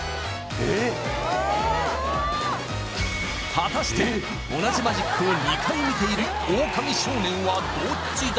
果たして同じマジックを２回見ているオオカミ少年はどっちだ？